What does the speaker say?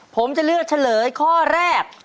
ผมจะเลือกเฉลยข้อแรก